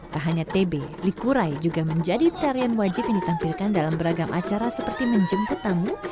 tak hanya tb likurai juga menjadi tarian wajib yang ditampilkan dalam beragam acara seperti menjemput tamu